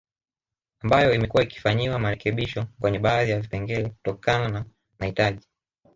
Ambayo imekuwa ikifanyiwa marekebisho kwenye baadhi ya vipengele kutokana na mahitaji